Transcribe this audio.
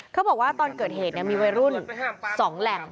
เขาบอกว่าตอนเกิดเหตุมีวัยรุ่น๒แหล่ง